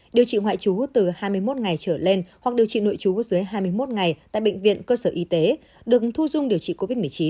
điều trị ngoại trú từ hai mươi một ngày trở lên hoặc điều trị nội trú dưới hai mươi một ngày tại bệnh viện cơ sở y tế được thu dung điều trị covid một mươi chín